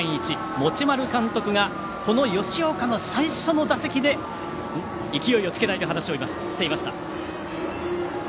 持丸監督がこの吉岡の最初の打席で勢いをつけたいと話をしていました。